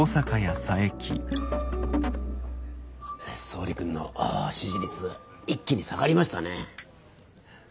総理君の支持率一気に下がりましたね。